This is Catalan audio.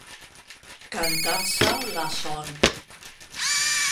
Cantar-se la son.